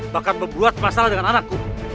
bahkan berbuat masalah dengan anakku